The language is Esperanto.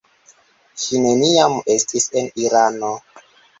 Ŝi neniam estis en Irano.